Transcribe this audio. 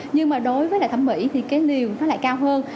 nhưng mà đối với lại thẩm mỹ thì cái liều nó lại cao hơn